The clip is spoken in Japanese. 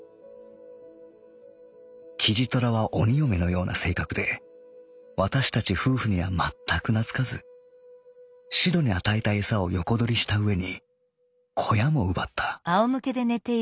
キジトラは鬼嫁のような性格でわたしたち夫婦にはまったくなつかずしろに与えた餌を横どりしたうえに小屋も奪った」。